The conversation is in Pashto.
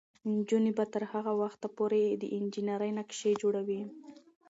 نجونې به تر هغه وخته پورې د انجینرۍ نقشې جوړوي.